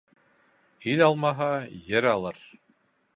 Ил алмаһа, ер алыр.